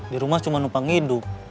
di rumah cuma numpang hidup